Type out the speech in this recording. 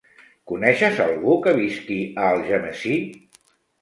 Coneixes algú que visqui a Algemesí?